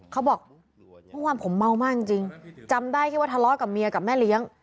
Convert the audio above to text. เขาบอกเมื่อวานผมเมามากจริงจำได้แค่ว่าทะเลาะกับเมียกับแม่เลี้ยง